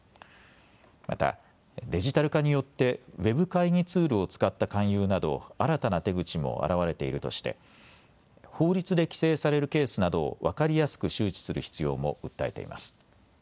またデジタル化によってＷＥＢ会議ツールを使った勧誘など新たな手口も現れているとして法律で規制されるケースなどを分かりやすく周知する必要も訴えています。